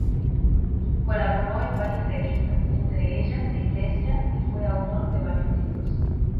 Colaboró en varias revistas, entre ellas Ecclesia y fue autor de varios libros.